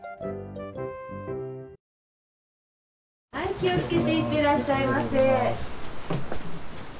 気を付けていってらっしゃいませ。